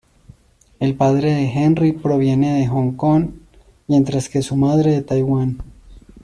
El padre de Henry proviene de Hong Kong, mientras que su madre de Taiwán.